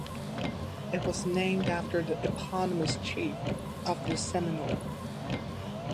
It was named after the eponymous chief of the Seminole.